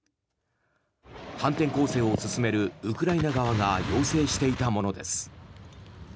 反転攻勢を進めるウクライナ側が要請していたものです。